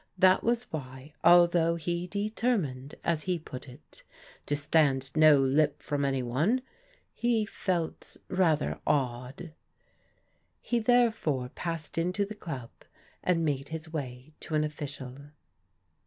That was why, although he determined, as he put it, " to stand no lip from any one," he felt rather awed. He therefore passed into the dub, and made his way to an official.